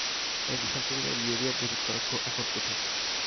তাই বিশাল পরিমাণ ইউরেনিয়াম মজুত করা এখন কঠিন।